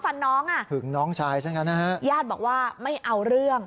น้องอ่ะหึงน้องชายซะงั้นนะฮะญาติบอกว่าไม่เอาเรื่อง